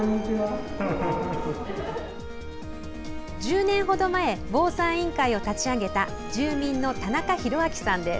１０年ほど前防災委員会を立ち上げた住民の田中宏明さんです。